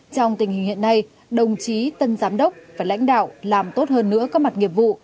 trong tình hình hiện nay đồng chí tân giám đốc và lãnh đạo làm tốt hơn nữa các mặt nghiệp vụ